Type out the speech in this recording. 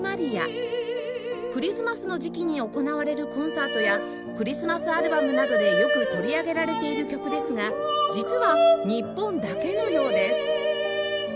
クリスマスの時期に行われるコンサートやクリスマスアルバムなどでよく取り上げられている曲ですが実は日本だけのようです